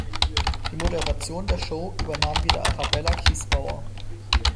Die Moderation der Show übernahm wieder Arabella Kiesbauer.